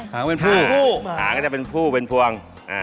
หางเป็นผู้หางก็จะเป็นผู้เป็นพวง